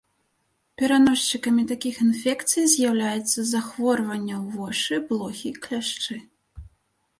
Пераносчыкамі такіх інфекцый з'яўляюцца захворванняў вошы, блохі, кляшчы.